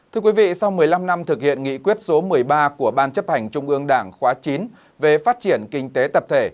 thưa quý vị sau một mươi năm năm thực hiện nghị quyết số một mươi ba của ban chấp hành trung ương đảng khóa chín về phát triển kinh tế tập thể